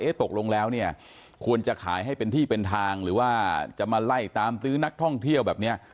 ตกลงแล้วเนี่ยควรจะขายให้เป็นที่เป็นทางหรือว่าจะมาไล่ตามตื้อนักท่องเที่ยวแบบเนี้ย